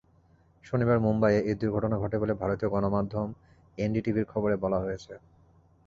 শনিবার মুম্বাইয়ে এই দুর্ঘটনা ঘটে বলে ভারতীয় গণমাধ্যম এনডিটিভির খবরে বলা হয়েছে।